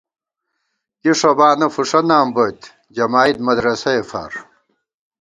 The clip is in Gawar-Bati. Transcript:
کی ݭوبانہ فُݭہ نام بوئیت، جمائید مدرَسَئے فار